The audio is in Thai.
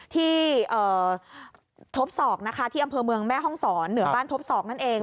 ที่ทบศอกนะคะที่อำเภอเมืองแม่ห้องศรเหนือบ้านทบศอกนั่นเอง